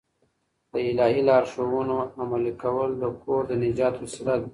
د الهي لارښوونو عملي کول د کور د نجات وسیله ده.